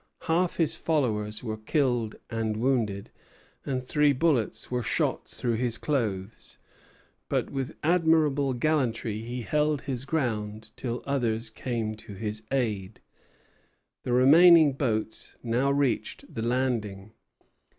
Half his followers were killed and wounded, and three bullets were shot through his clothes; but with admirable gallantry he held his ground till others came to his aid. The remaining boats now reached the landing.